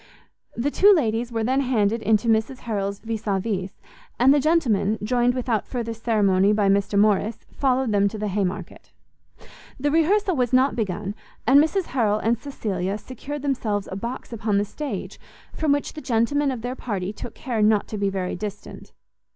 The two ladies were then handed to Mrs Harrel's vis a vis; and the gentlemen, joined without further ceremony by Mr Morrice, followed them to the Haymarket. The rehearsal was not begun, and Mrs Harrel and Cecilia secured themselves a box upon the stage, from which the gentlemen of their party took care not to be very distant.